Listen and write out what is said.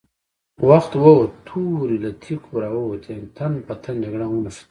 وخت ووت، تورې له تېکو را ووتې، تن په تن جګړه ونښته!